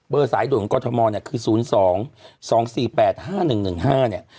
เบอร์สายโดดของกรทมเนี่ยคือ๐๒๒๔๘๕๑๑๕เนี่ย